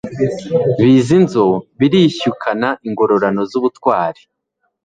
Bizinzo barishyukana Ingororano z'ubutwari